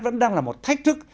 vẫn đang là một thách thức